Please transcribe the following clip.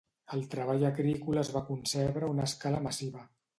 El treball agrícola es va concebre a una escala massiva.